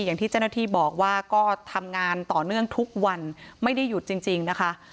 อย่างที่เจ้าหน้าที่บอกว่าก็ทำงานต่อเนื่องทุกวันไม่ได้หยุดจริงนะคะ